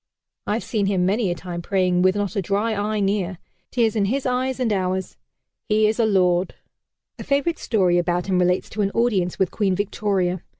I've seen him many a time praying, with not a dry eye near tears in his eyes and ours. He is a lord!" A favorite story about him relates to an audience with Queen Victoria.